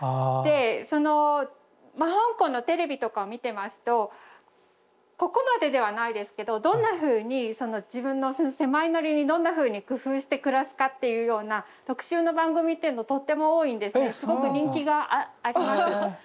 でそのまあ香港のテレビとかを見てますとここまでではないですけどどんなふうに自分の狭いなりにどんなふうに工夫して暮らすかっていうような特集の番組っていうのとっても多いんですねすごく人気があります。